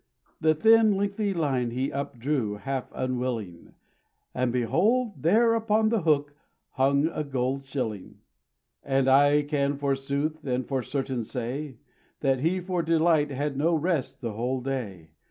The thin lengthy line he up drew half unwilling, And, behold! there upon the hook hung a gold shilling. And I can forsooth and for certainty say, That he for delight had no rest the whole day.